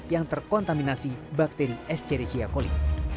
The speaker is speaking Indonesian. yang terkontaminasi bakteri estericia coli